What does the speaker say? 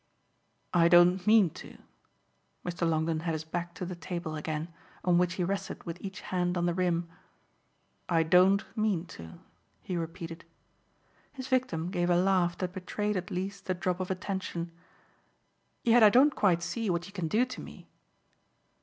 "I don't mean to." Mr. Longdon had his back to the table again, on which he rested with each hand on the rim. "I don't mean to," he repeated. His victim gave a laugh that betrayed at least the drop of a tension. "Yet I don't quite see what you can do to me."